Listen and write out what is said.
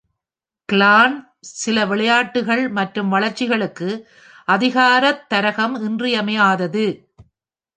Clan, சில விளையாட்டுகள் மற்றும் வளர்ச்சிளுக்கு அதிகாரத் தரகம் இன்றியமையாதது.